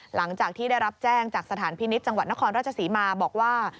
หลังจากที่ได้รับแจ้งจากสถานพินิษฐ์จังหวัดนครราชศรีมาบอกว่า